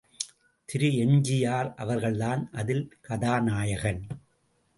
திரு எம்.ஜி.ஆர். அவர்கள்தான் அதில் கதாநாயகன்.